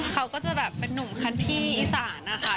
เขาก็จะแบบเป็นนุ่มคันที่อีสานนะคะ